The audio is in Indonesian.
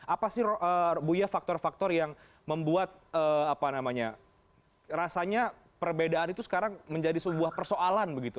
apa sih bu ya faktor faktor yang membuat rasanya perbedaan itu sekarang menjadi sebuah persoalan begitu